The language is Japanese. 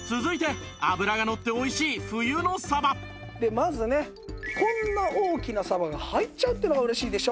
まずねこんな大きなサバが入っちゃうっていうのが嬉しいでしょ？